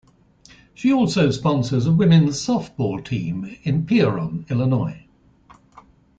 She also sponsors a women's softball team in Pierron, Illinois.